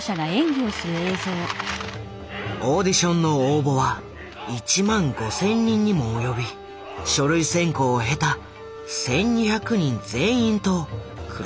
オーディションの応募は１万５，０００人にも及び書類選考を経た１，２００人全員と黒澤は面接した。